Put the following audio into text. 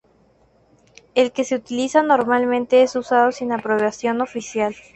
El que se utiliza normalmente es usado sin aprobación oficial.